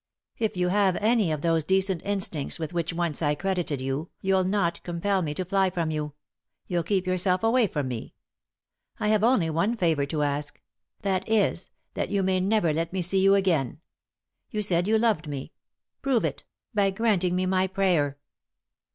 If you have any of those decent instincts with which once I credited you, you'll not compel me to fly from you — you'll keep yourself away from me. I have only one favour to ask ; that is, that you may never let me see you again. You said you loved me; prove it — by granting me my prayer."